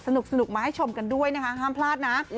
สนุกมาให้ชมกันด้วยนะคะห้ามพลาดนะ